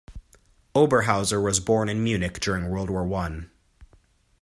Oberhauser was born in Munich during World War One.